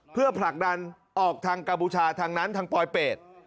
เพื่อผลักดันออกทางกัมพูชาทางนั้นทางปลอยเป็ด